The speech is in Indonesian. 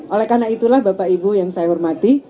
oleh karena itulah bapak ibu yang saya hormati